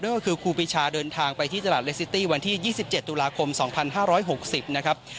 นั่นก็คือครูปิชาเดินทางไปที่จลาดเรซิตี้วันที่ยี่สิบเจ็ดตุลาคมสองพันห้าร้อยหกสิบนะครับ